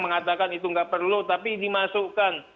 mengatakan itu nggak perlu tapi dimasukkan